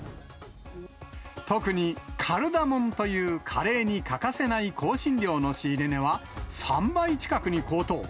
特にカルダモンというカレーに欠かせない香辛料の仕入れ値は、３倍近くに高騰。